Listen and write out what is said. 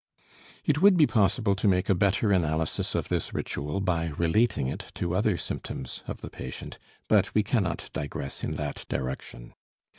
It would be possible to make a better analysis of this ritual by relating it to other symptoms of the patient. But we cannot digress in that direction.